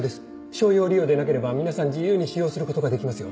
商用利用でなければ皆さん自由に使用することができますよ。